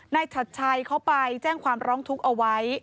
ชัดชัยเขาไปแจ้งความร้องทุกข์เอาไว้